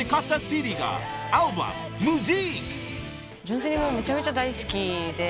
純粋にめちゃめちゃ大好きで。